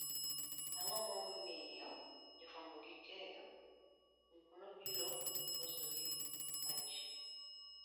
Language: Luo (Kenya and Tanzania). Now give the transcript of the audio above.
ang'o momiyo jofwambo gi keyo ok nobiro losogihaji?